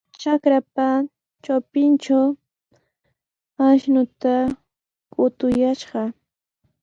Trakrapa trawpintraw akshuta qutuyashqa.